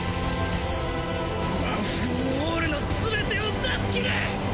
ワン・フォー・オールの全てを出し切れ！